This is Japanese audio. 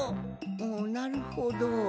おなるほど。